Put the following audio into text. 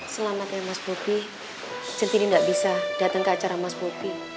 selamat ya mas bobby centini nggak bisa datang ke acara mas bobby